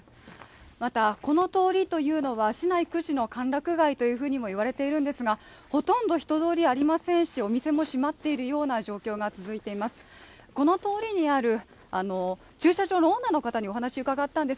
また、この通りというのは、市内屈指の歓楽街というふうにいわれているんですが、ほとんど人通りありませんしお店も閉まっているような状況が続いています